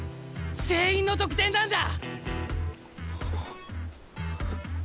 全員の得点なんだ！